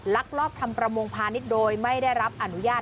ลักลอบทำประมงพาณิชย์โดยไม่ได้รับอนุญาต